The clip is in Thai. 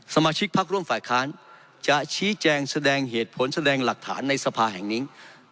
สมาชิกพักร่วมฝ่ายค้านจะชี้แจงแสดงเหตุผลแสดงหลักฐานในสภาแห่งนี้